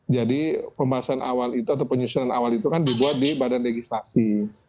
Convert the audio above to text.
jadi pembahasan awal itu atau penyusunan awal itu kan dibuat di badan legislasi